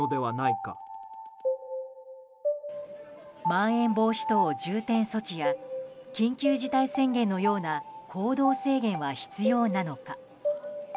まん延防止等重点措置や緊急事態宣言のような行動制限は必要なのか。